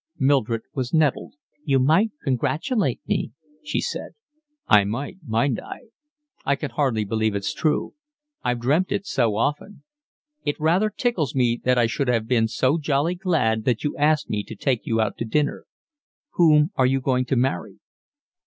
Mildred was nettled. "You might congratulate me," she said. "I might, mightn't I? I can hardly believe it's true. I've dreamt it so often. It rather tickles me that I should have been so jolly glad that you asked me to take you out to dinner. Whom are you going to marry?"